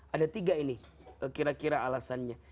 ada tiga ini kira kira alasannya